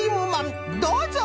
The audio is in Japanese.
どうぞ！